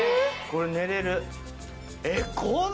これ寝られる。